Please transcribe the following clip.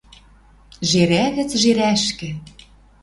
Жерӓ гӹц жерӓшкӹ